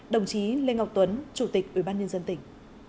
đồng chí lê ngọc tuấn chủ tịch ủy ban nhân dân tỉnh